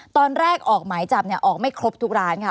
ตอนแรกออกหมายจับเนี่ยออกไม่ครบทุกร้านค่ะ